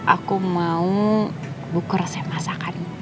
aku mau buku resep masakan